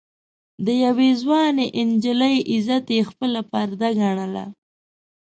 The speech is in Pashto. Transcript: د يوې ځوانې نجلۍ عزت يې خپله پرده ګڼله.